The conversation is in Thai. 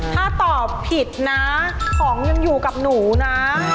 ถ้าตอบผิดนะของยังอยู่กับหนูนะ